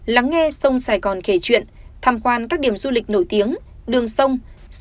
lắng nghe sông sài gòn kể chuyện tham quan các điểm du lịch nổi tiếng đường sông